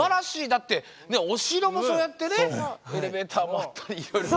だってねお城もそうやってねエレベーターもあったりいろいろと。